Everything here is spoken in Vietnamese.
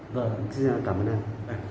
vâng xin cảm ơn anh